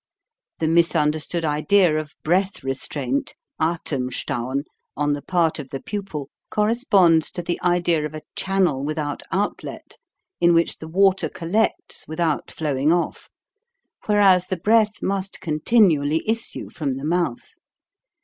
The misunderstood idea of breath restraint (Atem stauen) on the part of the pupil corresponds to the idea of a channel without outlet, in which the water collects without flowing off; whereas the breath must con+inu ally issue from the mouth.